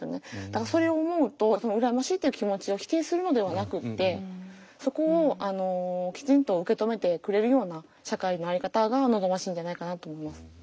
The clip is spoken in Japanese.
だからそれを思うとその「羨ましい」という気持ちを否定するのではなくてそこをきちんと受け止めてくれるような社会の在り方が望ましいんじゃないかなと思います。